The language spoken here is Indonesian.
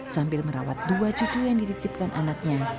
sambil merawat dua cucu yang dititipkan anaknya